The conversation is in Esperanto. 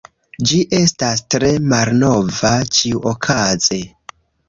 Ĝi estas tre malnova. Ĉiuokaze…